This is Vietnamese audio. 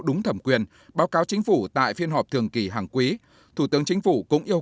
đúng thẩm quyền báo cáo chính phủ tại phiên họp thường kỳ hàng quý thủ tướng chính phủ cũng yêu